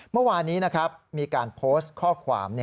เมื่อวานนี้มีการโพสต์ข้อความ